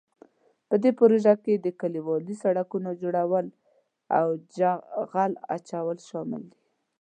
په دې پروژو کې د کلیوالي سړکونو جوړول او جغل اچول شامل دي.